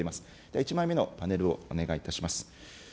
１枚目のパネルをお願いいたします。